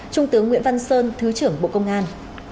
trung tướng nguyễn văn sơn thứ trưởng bộ công an